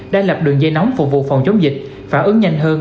đã lập đường dây nóng phục vụ phòng chống dịch phản ứng nhanh hơn